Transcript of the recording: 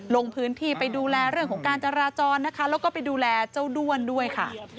ลงพื้นที่ไปดูแลเรื่องของการจราจรนะคะแล้วก็ไปดูแลเจ้าด้วนด้วยค่ะ